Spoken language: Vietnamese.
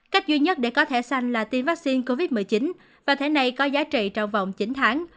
cách duy nhất để có thể xanh là tiêm vaccine covid một mươi chín và thẻ này có giá trị trong vòng chín tháng